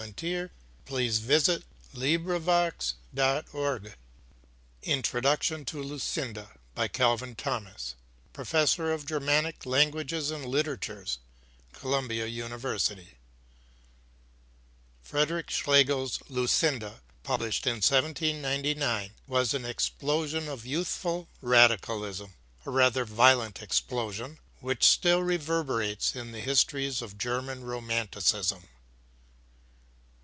FRIEDRICH SCHLEGEL INTRODUCTION TO LUCINDA By CALVIN THOMAS Professor of Germanic Languages and Literatures, Columbia University Friedrich Schlegel's Lucinda, published in 1799, was an explosion of youthful radicalism a rather violent explosion which still reverberates in the histories of German Romanticism.